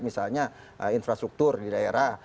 misalnya infrastruktur di daerah